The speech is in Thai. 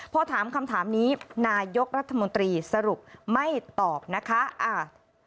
พอถามคำถามนี้นายกรัฐมนตรีสรุปไม่ตอบนะคะอ่า